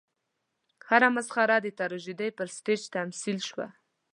هره مسخره د تراژیدۍ پر سټېج تمثیل شوه.